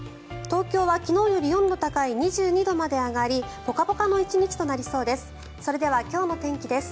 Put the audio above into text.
東京は昨日より４度高い２２度まで上がりポカポカの１日となりそうです。